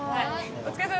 お疲れさま。